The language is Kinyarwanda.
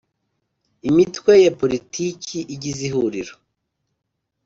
Imitwe ya Politiki igize Ihuriro